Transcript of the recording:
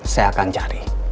saya akan cari